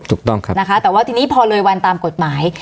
ถูกต้องครับนะคะแต่ว่าทีนี้พอเลยวันตามกฎหมาย